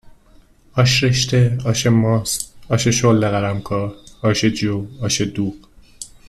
آش رشته آش ماست آش شله قلمکار آش جو آش دوغ